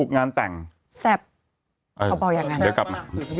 กันด้านกันด้าน